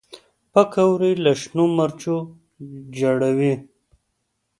پکورې له شنو مرچو ژړوي